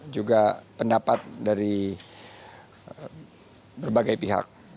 juga pendapat dari berbagai pihak